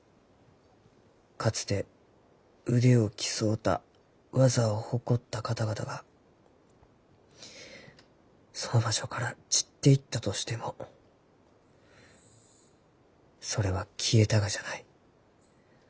かつて腕を競うた技を誇った方々がその場所から散っていったとしてもそれは消えたがじゃない。